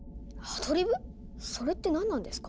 それって何なんですか？